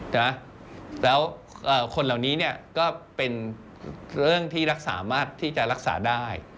นะแล้วคนเหล่านี้เนี่ยก็เป็นเรื่องที่รักษามากที่จะรักษาได้